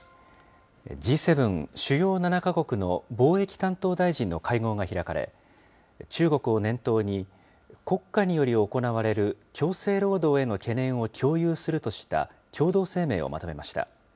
Ｇ７・主要７か国の貿易担当大臣の会合が開かれ、中国を念頭に、国家により行われる強制労働への懸念を共有するとした共同声明をまとめました。